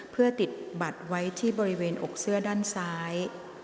เพื่อติดบัตรไว้ที่บริเวณอกเสื้อด้านซ้าย